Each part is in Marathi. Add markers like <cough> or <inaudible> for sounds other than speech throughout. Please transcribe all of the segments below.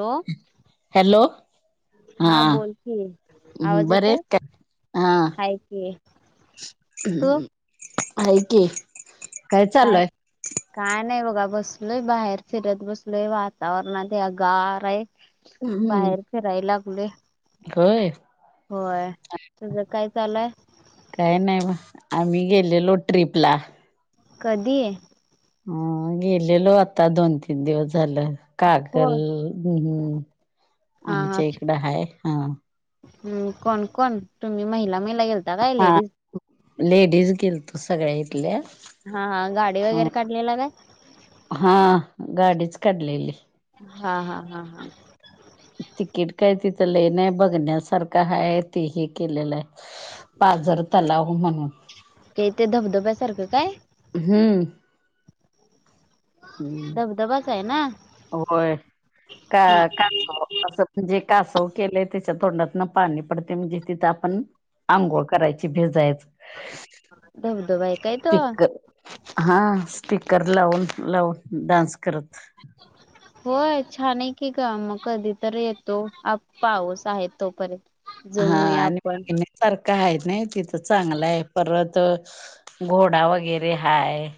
Hello hello. हा बोलकी, आवाज येतय? बरेच का हा हाय की, तू? हाय की. काय? काय नाय बघा बसलोय बाहेर फिरत बसलोय वातावरणात अगाराय. बाहेर फिराय लागलोय. होय. होय तूझं काय चालू आय? काय नाय ब आम्ही गेलेलो ट्रिप ला. कधी? हम्म, गेलेलो आता दोन तीन दिवस झालं. हो कागल हम् हा हा आमच्या इकडं हाय हा. हम्म, कोण कोण तुम्ही महिला महिला गेलता काय हा लेडीज? लेडीज गेलतो सगळ्या इथल्या. हा हा गाडी वगैरे काढलेला काय? हा गाडीच काढलेली. हा हा हा हा. तिकीट काय तिथं लय नाय ती बघण्यासारखं हाय ती ही केलेलं. पाजर तलाव म्हणून. हे ते धबधब्यासारखं काय? हम्म. हम्म, धबधबाच आहे ना होय हा काळा का असं म्हणजे कासव केलंय त्याच्या तोंडातन पाणी पडतंय म्हणजे तिथं आपण आंघोळ करायची भिजायच. दबधबा आय का तो? स्पीकर हा स्पीकर लावून लावून डान्स करत. <inaudible> होय छान आय की ग मग कधी तर येतो पाऊस आहेत तोपर्यंत. हा जाऊन येऊया आणि आपण बगण्यासारखं हाय ना तिथं चांगलं आय परत घोडा वगैरे हाय.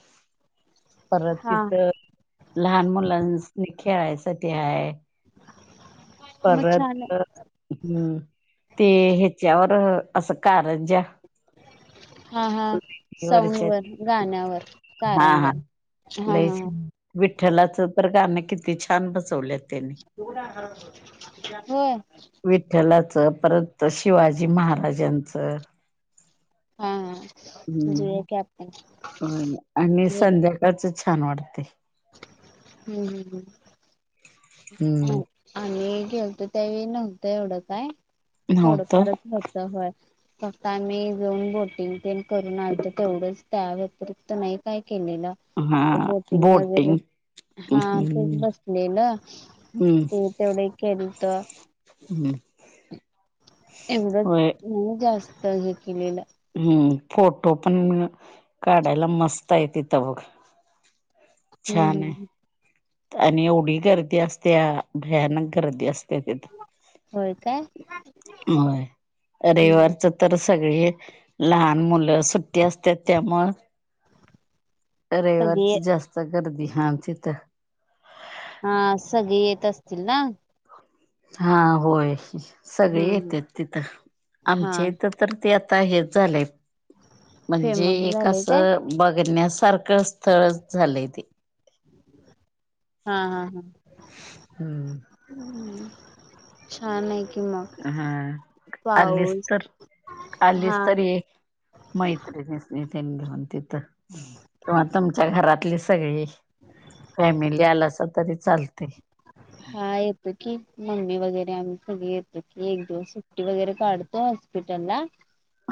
परत हा तिथं लहान मुलांनी खेळायसाठी हाय. मग परत छान आहे हम्म, ते ह्याच्यावर असं कारंनज्या हा हा साउंड वरच्या वर गाण्यावर हा हा कारंनज्या. हा हा लय हा. छान विठ्ठलाचं तर गाण किती छान बसवलेत. व्हय. विठ्ठलाच परत शिवाजी महाराजांचं. हा. हम्म, जुया की आपण होय ना आणि ये संध्याकाळच छान वाटतंय. हम्म हम्म हम्म अ हम्म. आम्ही गेलतो त्यावेळी नव्हतं एवढं काय नव्हतं थोडंफारच होत तर होय फक्त आम्ही जाऊन बोटिंग ते करून आणतो तेवढंच त्या व्यतिरिक्त नाही काय केलेलं ते बोटिंग वगैरे हा ते हम्म बसलेल हम्म ते तेवढे एक केलत हम्म एवढं होय नाही जास्त हे केलेलं हम्म फोटो पण काढायला मस्त आहे तिथं बघ हम्म छान हाय हम्म आणि एवढी गर्दी असत्या भयानक गर्दी असत्या तिथ होय काय होय हम्म रविवारचं तर सगळी लहान मुलं सुट्टी असत्या त्यामुळ- सगळे रविवारच जास्त गर्दी हम तिथ हा सगळी येत असतील ना हा होय सगळे हम्म येतेत तिथं हा आमचे ईथं तर ते आता हेच झालंय म्हणजे फेमस एक झाले काय असं बघण्यासारखं स्थळच झालंय ते हा हा हा हम्म हम्म छान हाय की मग हा आलीस पाऊस तर हा आलीस तर ऐ मैत्रिणी नीसनी तेन घेऊन तिथं किंवा तुमच्या घरातले सगळी फॅमिली आलासा तरी चालते ह हा येतो की मम्मी वगैरे आम्ही सगळे येतो की एक दिवस सुट्टी वगैरे काढतो हॉस्पिटलला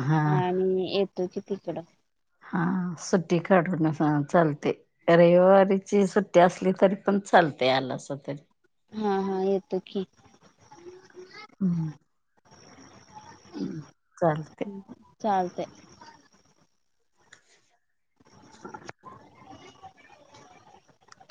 हा आणि येतो कि तिकडं हा सुट्टी काढून चालते रविवारीची सुट्टी असली तरी पण चालते आला अस तरी हा हा येतो की हम.. <inaudible> हम्म.. चालतेय. ह.. चालतंय. <inaudible>